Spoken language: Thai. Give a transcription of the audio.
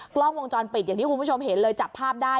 กล้องวงจรปิดอย่างที่คุณผู้ชมเห็นเลยจับภาพได้